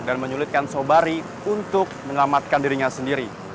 dan menyulitkan sobari untuk menyelamatkan dirinya sendiri